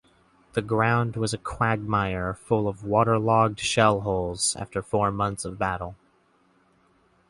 The ground was a quagmire full of water-logged shell-holes after four months of battle.